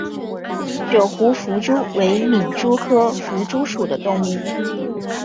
九湖弗蛛为皿蛛科弗蛛属的动物。